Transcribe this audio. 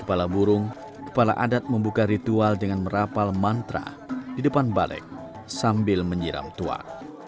kepala burung kepala adat membuka ritual dengan merapal mantra di depan balek sambil menyiram tuak